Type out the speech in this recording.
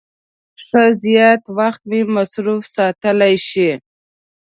ښه زیات وخت مې مصروف ساتلای شي.